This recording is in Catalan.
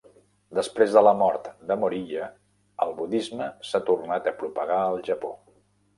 Després de la mort de Moriya, el budisme s"ha tornat a propagar al Japó.